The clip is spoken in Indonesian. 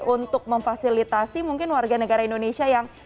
untuk memfasilitasi mungkin warga negara indonesia yang